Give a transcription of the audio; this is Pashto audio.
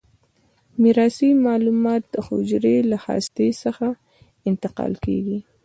میراثي معلومات د حجره له هسته څخه انتقال کیږي.